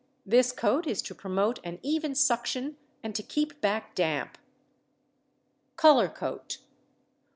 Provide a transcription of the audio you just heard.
This coat is to promote an even suction and to keep back damp. _Colour Coat.